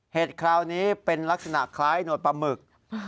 คราวนี้เป็นลักษณะคล้ายหนวดปลาหมึก